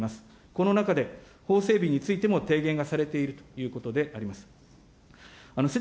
この中で、法整備についても提言がされているということであります。